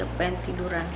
aku pengen tiduran